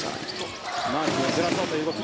マークをずらそうという動き。